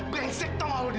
gengsek tahu lo gil